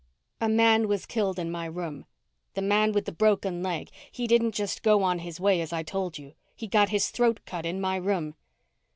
"A man was killed in my room. The man with the broken leg. He didn't just go on his way, as I told you; he got his throat cut in my room."